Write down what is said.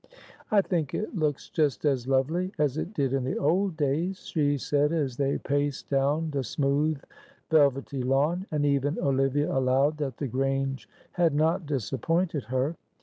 "I think it looks just as lovely as it did in the old days," she said as they paced down the smooth velvety lawn. And even Olivia allowed that the Grange had not disappointed her.